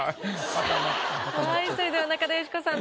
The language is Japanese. それでは中田喜子さん